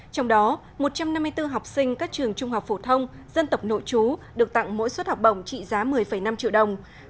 trong đó một trăm năm mươi bốn học sinh các trường trung học phổ thông dân tộc nội chú được tặng mỗi suất học bổng trị giá một mươi năm triệu đồng